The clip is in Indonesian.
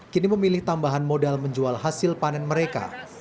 kini memilih tambahan modal menjual hasil panen mereka